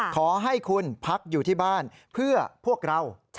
ขอให้คุณพักอยู่ที่บ้านเพื่อพวกเรา